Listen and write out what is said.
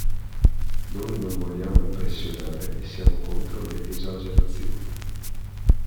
Noi non vogliamo impressionare e siamo contro le esagerazioni.